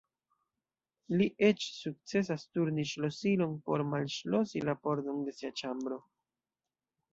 Li eĉ sukcesas turni ŝlosilon por malŝlosi la pordon de sia ĉambro.